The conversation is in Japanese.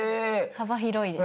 幅広いですね。